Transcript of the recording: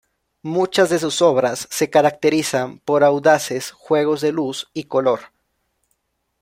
Muchas de sus obras se caracterizan por audaces juegos de luz y color.